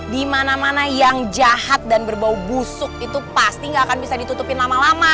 di mana mana yang jahat dan berbau busuk itu pasti nggak akan bisa ditutupin lama lama